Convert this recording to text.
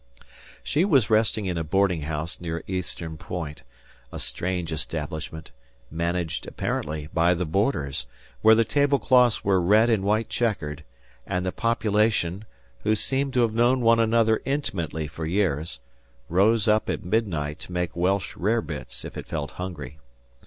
She was resting in a boarding house near Eastern Point a strange establishment, managed, apparently, by the boarders, where the table cloths were red and white checkered and the population, who seemed to have known one another intimately for years, rose up at midnight to make Welsh rarebits if it felt hungry.